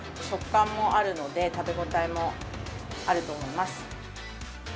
食感もあるので、食べ応えもあると思います。